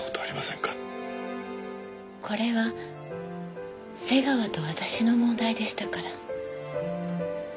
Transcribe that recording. これは瀬川と私の問題でしたから。